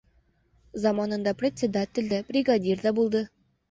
Заманында председатель дә, бригадир ҙа булды.